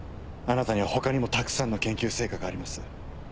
あなたには他にもたくさんの研究成果があります。